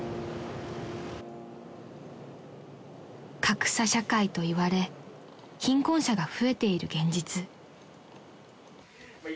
［格差社会といわれ貧困者が増えている現実］